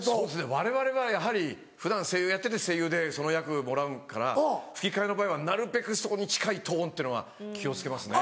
われわれはやはり普段声優やってて声優でその役もらうから吹き替えの場合はなるべくそこに近いトーンっていうのは気を付けますね。